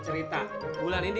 jangan kuada sedang medio